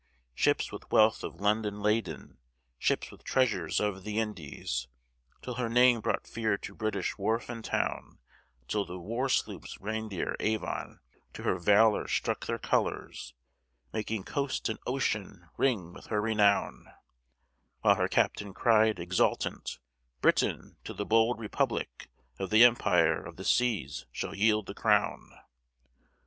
Ships with wealth of London laden, Ships with treasures of the Indies, Till her name brought fear to British wharf and town; Till the war sloops Reindeer, Avon, To her valor struck their colors, Making coast and ocean ring with her renown; While her captain cried, exultant, "Britain, to the bold Republic, Of the empire of the seas shall yield the crown!"